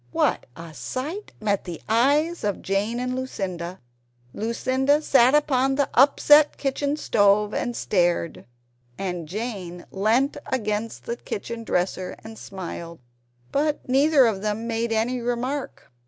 What a sight met the eyes of Jane and Lucinda! Lucinda sat upon the upset kitchen stove and stared; and Jane leant against the kitchen dresser and smiled but neither of them made any remark.